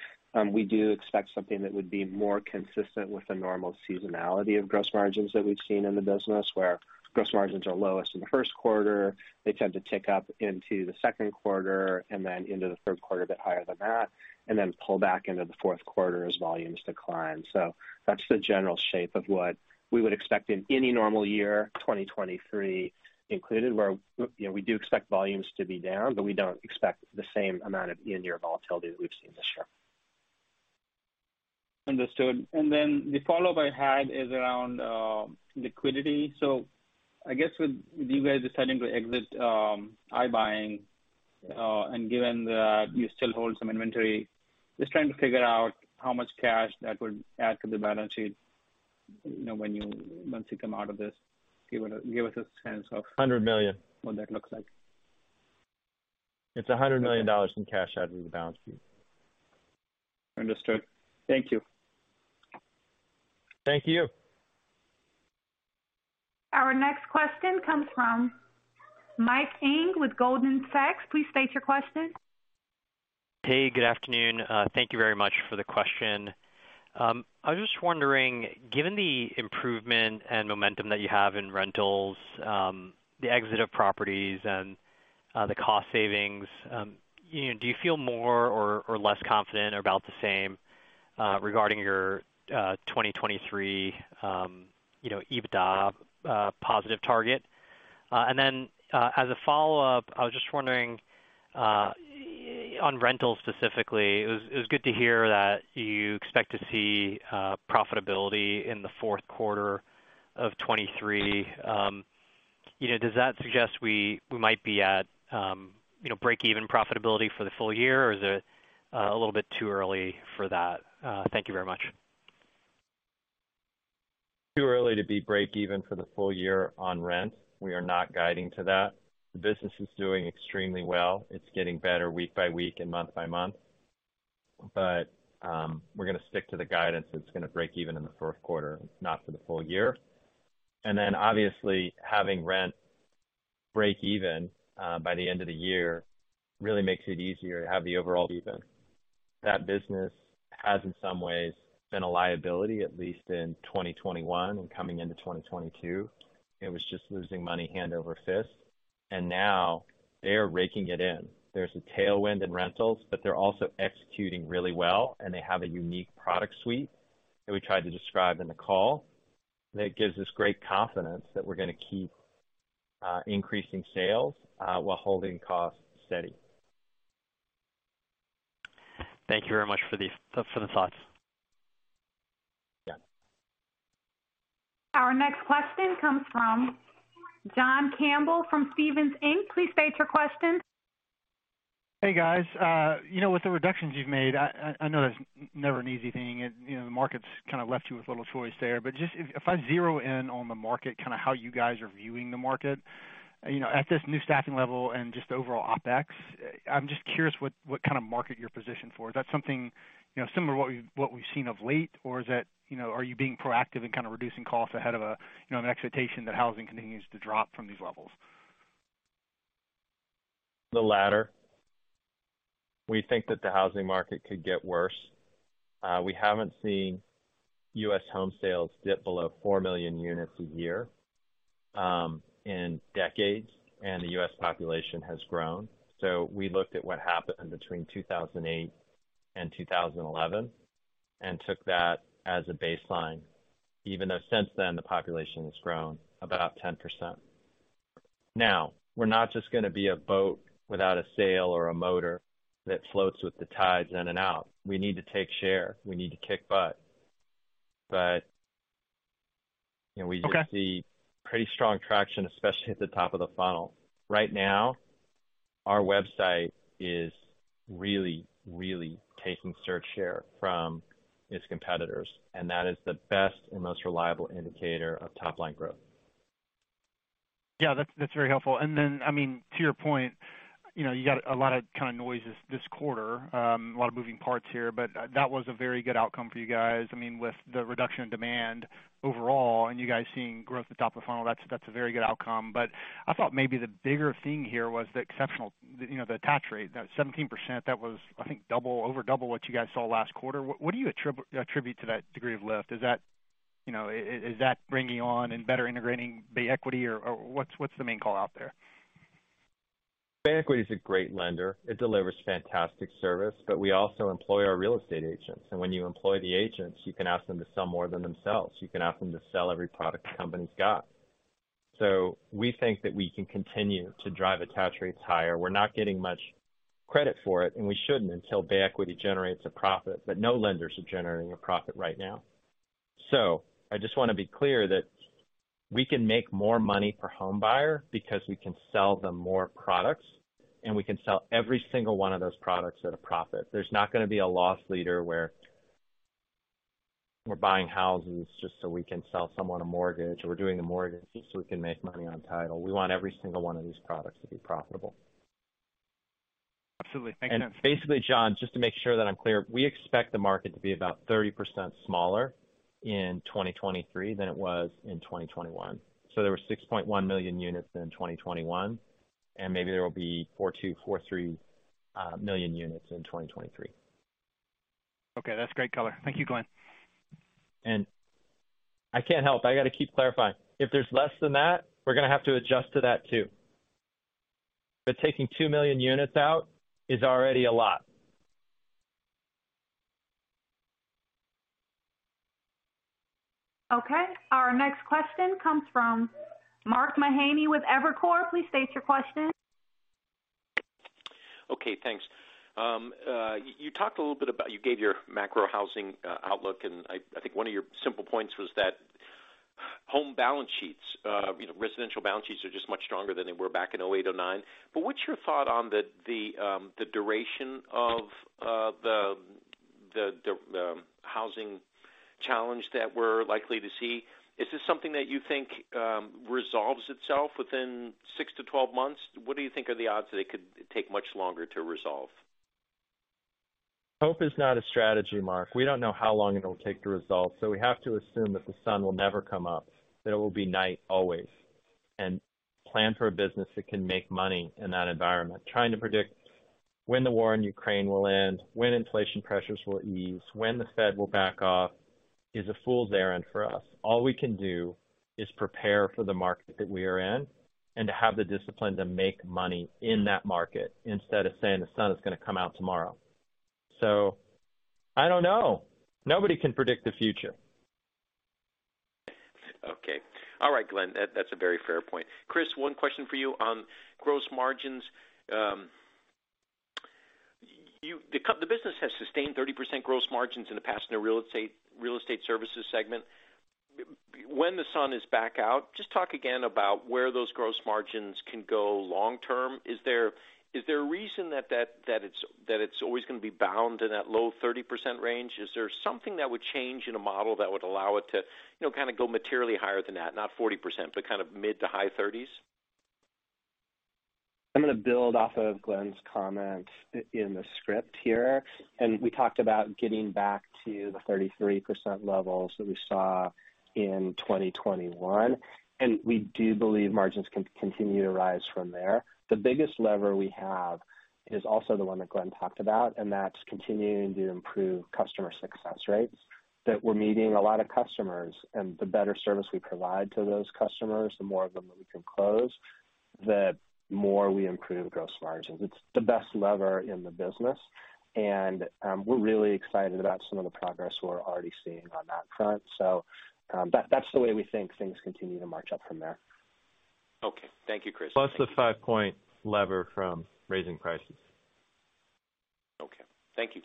we do expect something that would be more consistent with the normal seasonality of gross margins that we've seen in the business, where gross margins are lowest in the first quarter, they tend to tick up into the second quarter and then into the third quarter a bit higher than that, and then pull back into the fourth quarter as volumes decline. That's the general shape of what we would expect in any normal year, 2023 included, where, you know, we do expect volumes to be down, but we don't expect the same amount of year-on-year volatility that we've seen this year. Understood. Then the follow-up I had is around liquidity. I guess with you guys deciding to exit iBuying and given that you still hold some inventory, just trying to figure out how much cash that would add to the balance sheet, you know, once you come out of this. Give us a sense of. $100 million What that looks like. It's $100 million in cash added to the balance sheet. Understood. Thank you. Thank you. Our next question comes from Mike Ng with Goldman Sachs. Please state your question. Hey, good afternoon. Thank you very much for the question. I was just wondering, given the improvement and momentum that you have in rentals, the exit of properties and the cost savings, you know, do you feel more or less confident or about the same, regarding your 2023, you know, EBITDA positive target? As a follow-up, I was just wondering, on rentals specifically, it was good to hear that you expect to see profitability in the fourth quarter of 2023. You know, does that suggest we might be at, you know, break-even profitability for the full year? Or is it a little bit too early for that? Thank you very much. Too early to break even for the full year on rent. We are not guiding to that. The business is doing extremely well. It's getting better week by week and month by month. We're gonna stick to the guidance that's gonna break even in the fourth quarter, not for the full year. Obviously having rent break even by the end of the year really makes it easier to have the overall even. That business has in some ways been a liability, at least in 2021 and coming into 2022. It was just losing money hand over fist, and now they are raking it in. There's a tailwind in rentals, but they're also executing really well, and they have a unique product suite that we tried to describe in the call, that gives us great confidence that we're gonna keep increasing sales while holding costs steady. Thank you very much for the thoughts. Yeah. Our next question comes from John Campbell from Stephens Inc. Please state your question. Hey, guys. You know, with the reductions you've made, I know that's never an easy thing, and you know, the market's kind of left you with little choice there. Just if I zero in on the market, kind of how you guys are viewing the market, you know, at this new staffing level and just overall OpEx, I'm just curious what kind of market you're positioned for. Is that something, you know, similar to what we've seen of late, or is that, you know, are you being proactive in kind of reducing costs ahead of a, you know, an expectation that housing continues to drop from these levels? The latter. We think that the housing market could get worse. We haven't seen U.S. home sales dip below 4 million units a year in decades, and the U.S. population has grown. We looked at what happened between 2008 and 2011 and took that as a baseline, even though since then, the population has grown about 10%. Now, we're not just gonna be a boat without a sail or a motor that floats with the tides in and out. We need to take share. We need to kick butt. You know, we Okay. We see pretty strong traction, especially at the top of the funnel. Right now, our website is really, really taking search share from its competitors, and that is the best and most reliable indicator of top-line growth. Yeah, that's very helpful. Then, I mean, to your point, you know, you got a lot of kind of noise this quarter, a lot of moving parts here, but that was a very good outcome for you guys. I mean, with the reduction in demand overall and you guys seeing growth at the top of the funnel, that's a very good outcome. I thought maybe the bigger thing here was the exceptional, you know, the attach rate, that 17%, that was, I think, over double what you guys saw last quarter. What do you attribute to that degree of lift? Is that, you know, is that bringing on and better integrating Bay Equity Home Loans or what's the main call out there? Bay Equity Home Loans is a great lender. It delivers fantastic service, but we also employ our real estate agents. When you employ the agents, you can ask them to sell more than themselves. You can ask them to sell every product the company's got. We think that we can continue to drive attach rates higher. We're not getting much credit for it, and we shouldn't until Bay Equity Home Loans generates a profit. No lenders are generating a profit right now. I just wanna be clear that we can make more money per home buyer because we can sell them more products, and we can sell every single one of those products at a profit. There's not gonna be a loss leader where we're buying houses just so we can sell someone a mortgage, or we're doing a mortgage just so we can make money on title. We want every single one of these products to be profitable. Absolutely. Thank you. Basically, John, just to make sure that I'm clear, we expect the market to be about 30% smaller in 2023 than it was in 2021. There were 6.1 million units in 2021, and maybe there will be 4.2 million-4.3 million units in 2023. Okay. That's great color. Thank you, Glenn. I can't help, I gotta keep clarifying. If there's less than that, we're gonna have to adjust to that too. Taking 2 million units out is already a lot. Okay. Our next question comes from Mark Mahaney with Evercore. Please state your question. Okay, thanks. You talked a little bit about. You gave your macro housing outlook, and I think one of your simple points was that home balance sheets, you know, residential balance sheets are just much stronger than they were back in 2008, 2009. What's your thought on the duration of the housing challenge that we're likely to see? Is this something that you think resolves itself within six to 12 months? What do you think are the odds that it could take much longer to resolve? Hope is not a strategy, Mark. We don't know how long it'll take to resolve, so we have to assume that the sun will never come up, that it will be night always, and plan for a business that can make money in that environment. Trying to predict when the war in Ukraine will end, when inflation pressures will ease, when the Fed will back off, is a fool's errand for us. All we can do is prepare for the market that we are in and to have the discipline to make money in that market instead of saying the sun is gonna come out tomorrow. I don't know. Nobody can predict the future. Okay. All right, Glenn. That's a very fair point. Chris, one question for you on gross margins. The business has sustained 30% gross margins in the past, in the real estate, Real Estate Services segment. When the sun is back out, just talk again about where those gross margins can go long-term. Is there a reason that it's always gonna be bound to that low 30% range? Is there something that would change in a model that would allow it to, you know, kinda go materially higher than that? Not 40%, but kind of mid- to high-30s. I'm gonna build off of Glenn's comments in the script here. We talked about getting back to the 33% levels that we saw in 2021, and we do believe margins can continue to rise from there. The biggest lever we have is also the one that Glenn talked about, and that's continuing to improve customer success rates. That we're meeting a lot of customers and the better service we provide to those customers, the more of them that we can close, the more we improve gross margins. It's the best lever in the business, and we're really excited about some of the progress we're already seeing on that front. That's the way we think things continue to march up from there. Okay. Thank you, Chris. The 5-point lever from raising prices. Okay. Thank you.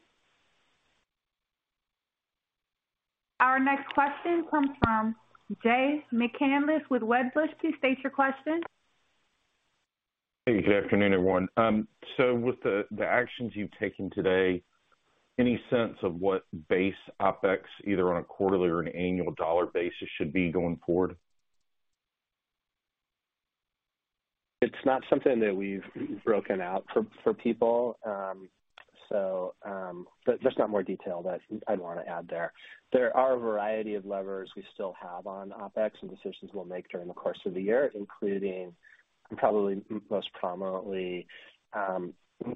Our next question comes from Jay McCanless with Wedbush. Please state your question. Hey, good afternoon, everyone. With the actions you've taken today, any sense of what base OpEx, either on a quarterly or an annual dollar basis, should be going forward? It's not something that we've broken out for people. There's not more detail that I'd want to add there. There are a variety of levers we still have on OpEx and decisions we'll make during the course of the year, including, and probably most prominently,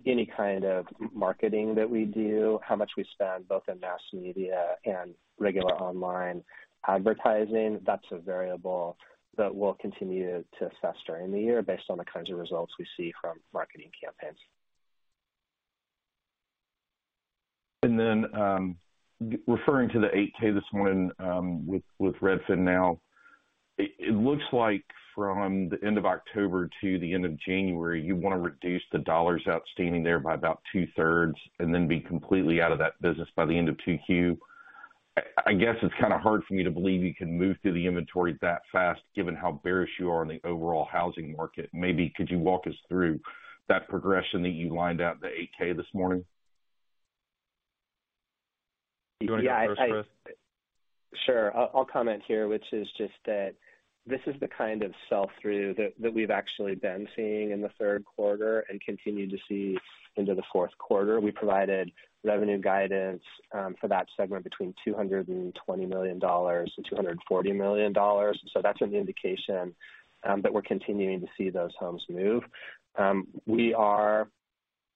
any kind of marketing that we do, how much we spend both in mass media and regular online advertising. That's a variable that we'll continue to assess during the year based on the kinds of results we see from marketing campaigns. Referring to the Form 8-K this morning with RedfinNow. It looks like from the end of October to the end of January, you wanna reduce the dollars outstanding there by about two-thirds and then be completely out of that business by the end of Q2. I guess it's kinda hard for me to believe you can move through the inventory that fast given how bearish you are on the overall housing market. Maybe could you walk us through that progression that you laid out in the Form 8-K this morning? Do you wanna go first, Chris? Sure. I'll comment here, which is just that this is the kind of sell-through that we've actually been seeing in the third quarter and continue to see into the fourth quarter. We provided revenue guidance for that segment between $220 million and $240 million. That's an indication that we're continuing to see those homes move. We are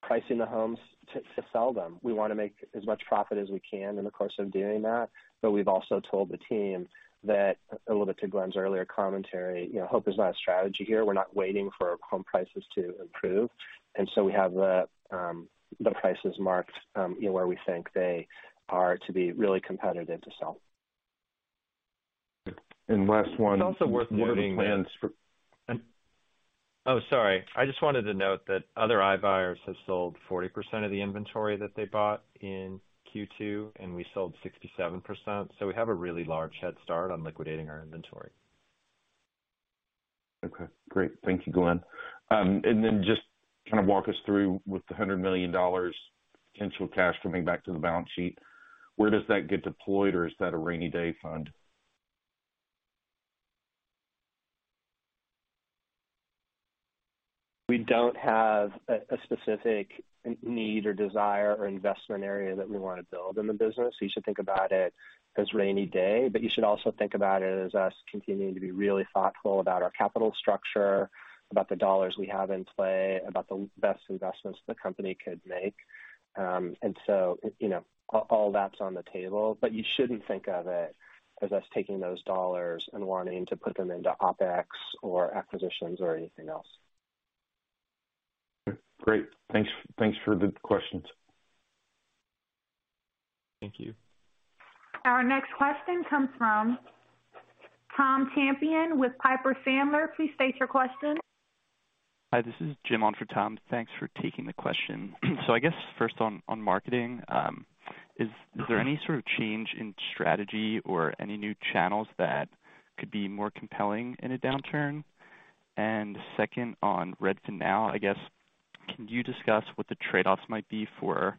pricing the homes to sell them. We wanna make as much profit as we can in the course of doing that. We've also told the team that a little bit to Glenn's earlier commentary, you know, hope is not a strategy here. We're not waiting for home prices to improve. We have the prices marked, you know, where we think they are to be really competitive to sell. Last one. It's also worth noting that. Do you have plans for? Oh, sorry. I just wanted to note that other iBuyers have sold 40% of the inventory that they bought in Q2, and we sold 67%. We have a really large head start on liquidating our inventory. Okay, great. Thank you, Glenn. Just kinda walk us through the $100 million potential cash coming back to the balance sheet. Where does that get deployed or is that a rainy day fund? We don't have a specific need or desire or investment area that we wanna build in the business. You should think about it as rainy day, but you should also think about it as us continuing to be really thoughtful about our capital structure, about the dollars we have in play, about the best investments the company could make. You know, all that's on the table. You shouldn't think of it as us taking those dollars and wanting to put them into OpEx or acquisitions or anything else. Great. Thanks for the questions. Thank you. Our next question comes from Tom Champion with Piper Sandler. Please state your question. Hi, this is Jim on for Tom. Thanks for taking the question. I guess first on marketing, is there any sort of change in strategy or any new channels that could be more compelling in a downturn? Second, on RedfinNow, I guess, can you discuss what the trade-offs might be for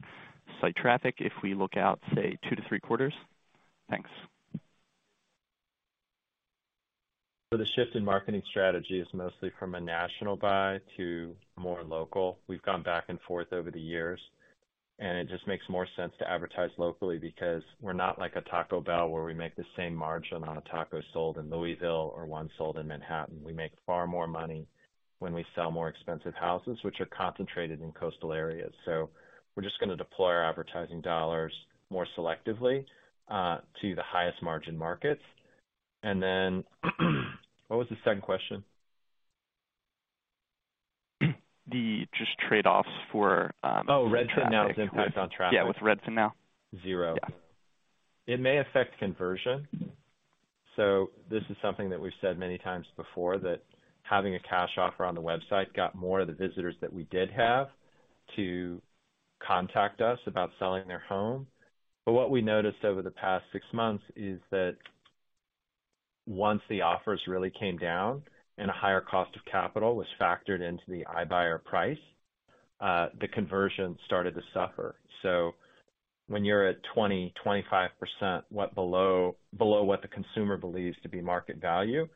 site traffic if we look out, say, two to three quarters? Thanks. The shift in marketing strategy is mostly from a national buy to more local. We've gone back and forth over the years. It just makes more sense to advertise locally because we're not like a Taco Bell, where we make the same margin on a taco sold in Louisville or one sold in Manhattan. We make far more money when we sell more expensive houses, which are concentrated in coastal areas. We're just gonna deploy our advertising dollars more selectively to the highest margin markets. Then what was the second question? The just trade-offs for. Oh, RedfinNow impact on traffic. Yeah, with RedfinNow. Zero. Yeah. It may affect conversion. This is something that we've said many times before, that having a cash offer on the website got more of the visitors that we did have to contact us about selling their home. What we noticed over the past six months is that once the offers really came down and a higher cost of capital was factored into the iBuyer price, the conversion started to suffer. When you're at 20%-25% below what the consumer believes to be market value,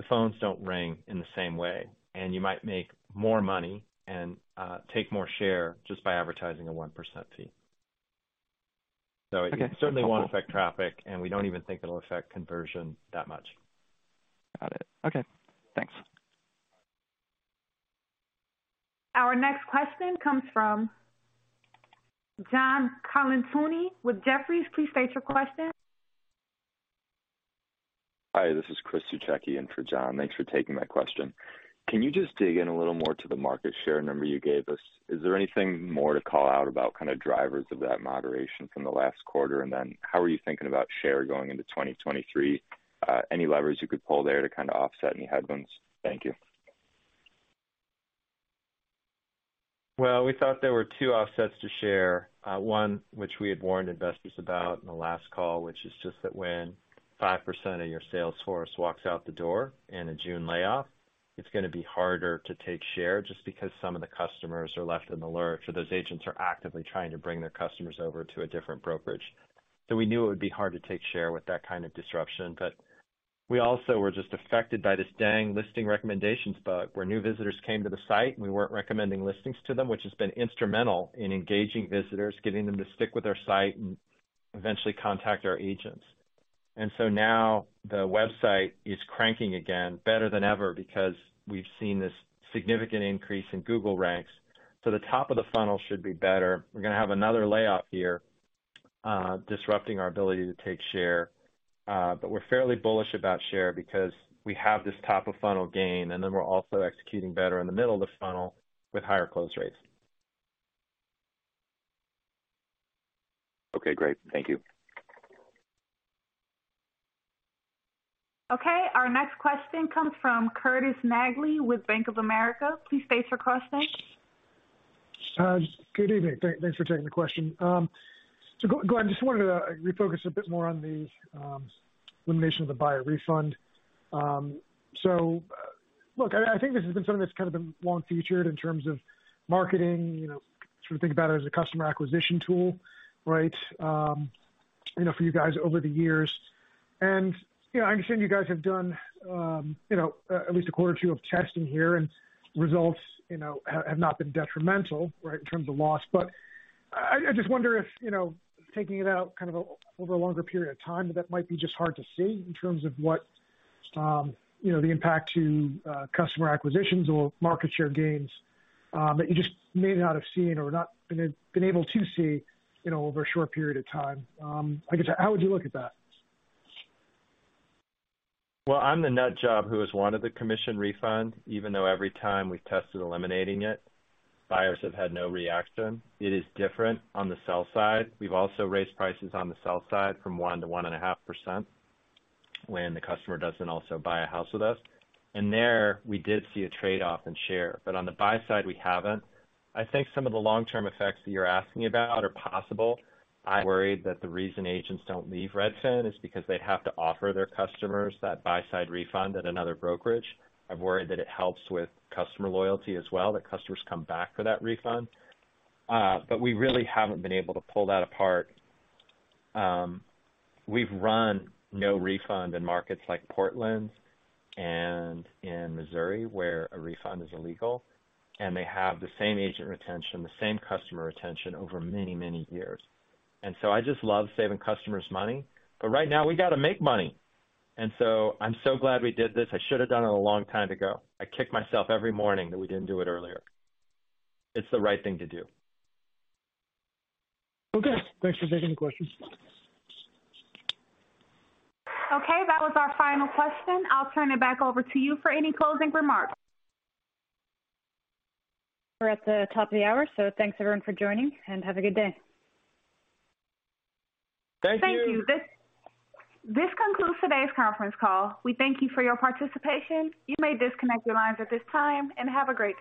the phones don't ring in the same way. You might make more money and take more share just by advertising a 1% fee. Okay. It certainly won't affect traffic, and we don't even think it'll affect conversion that much. Got it. Okay, thanks. Our next question comes from John Colantuoni with Jefferies. Please state your question. Hi, this is Chris Suchecki in for John. Thanks for taking my question. Can you just dig in a little more to the market share number you gave us? Is there anything more to call out about kind of drivers of that moderation from the last quarter? How are you thinking about share going into 2023? Any levers you could pull there to kind of offset any headwinds? Thank you. Well, we thought there were two offsets to share. One, which we had warned investors about in the last call, which is just that when 5% of your sales force walks out the door in a June layoff, it's gonna be harder to take share just because some of the customers are left in the lurch or those agents are actively trying to bring their customers over to a different brokerage. We knew it would be hard to take share with that kind of disruption. We also were just affected by the dang listing recommendations bug, where new visitors came to the site and we weren't recommending listings to them, which has been instrumental in engaging visitors, getting them to stick with our site and eventually contact our agents. Now the website is cranking again better than ever because we've seen this significant increase in Google ranks. The top of the funnel should be better. We're gonna have another layoff here, disrupting our ability to take share. We're fairly bullish about share because we have this top of funnel gain, and then we're also executing better in the middle of the funnel with higher close rates. Okay, great. Thank you. Okay, our next question comes from Curtis Nagle with Bank of America. Please state your question. Good evening. Thanks for taking the question. Glenn, just wanted to refocus a bit more on the elimination of the buyer refund. Look, I think this has been something that's kind of been long featured in terms of marketing. You know, sort of think about it as a customer acquisition tool, right? You know, for you guys over the years. You know, I understand you guys have done at least a quarter or two of testing here, and results have not been detrimental, right, in terms of loss. I just wonder if, you know, taking it out kind of over a longer period of time, that might be just hard to see in terms of what, you know, the impact to customer acquisitions or market share gains, that you just may not have seen or not been able to see, you know, over a short period of time. I guess how would you look at that? Well, I'm the nut job who has wanted the commission refund, even though every time we've tested eliminating it, buyers have had no reaction. It is different on the sell side. We've also raised prices on the sell side from 1%-1.5% when the customer doesn't also buy a house with us. And there we did see a trade-off in share, but on the buy side we haven't. I think some of the long-term effects that you're asking about are possible. I worry that the reason agents don't leave Redfin is because they'd have to offer their customers that buy-side refund at another brokerage. I've worried that it helps with customer loyalty as well, that customers come back for that refund. We really haven't been able to pull that apart. We've run no refund in markets like Portland and in Missouri, where a refund is illegal, and they have the same agent retention, the same customer retention over many, many years. I just love saving customers money, but right now we gotta make money. I'm so glad we did this. I should have done it a long time ago. I kick myself every morning that we didn't do it earlier. It's the right thing to do. Okay. Thanks for taking the question. Okay, that was our final question. I'll turn it back over to you for any closing remarks. We're at the top of the hour, so thanks everyone for joining and have a good day. Thank you. Thank you. This concludes today's conference call. We thank you for your participation. You may disconnect your lines at this time and have a great day.